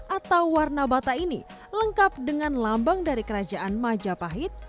atau warna bata ini lengkap dengan lambang dari kerajaan majapahit